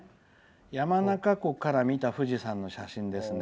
山中湖から見た富士山の写真です。